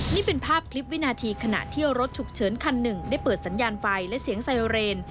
นี่เป็นภาพคลิปวินาทีขณะที่รถฉุกเฉินคันหนึ่งได้เปิดสัญญาณไฟและเสียงไซเรน